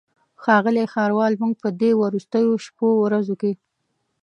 ښاغلی ښاروال موږ په دې وروستیو شپو ورځو کې.